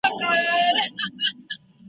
روغتیایي پالیسۍ څنګه جوړیږي؟